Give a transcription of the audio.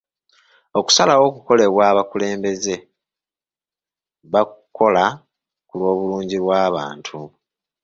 Okusalawo okukolebwa abakulembeze, bakukola ku lw'obulungi bw'abantu.